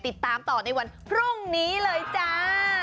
ติดตามต่อในวันพรุ่งนี้เลยจ้า